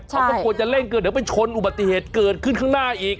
เขาก็ควรจะเร่งเกินเดี๋ยวไปชนอุบัติเหตุเกิดขึ้นข้างหน้าอีก